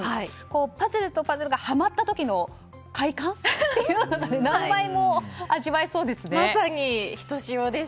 パズルとパズルがはまった時の快感っていうのが何倍も味わえそうですね。